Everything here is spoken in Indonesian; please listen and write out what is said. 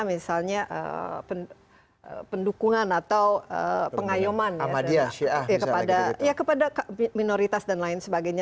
misalnya pendukungan atau pengayoman kepada minoritas dan lain sebagainya